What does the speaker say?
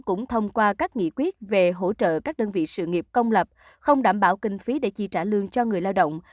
cũng thông qua các nghị quyết về hỗ trợ các đơn vị sự nghiệp công lập không đảm bảo kinh phí để chi trả lương cho người lao động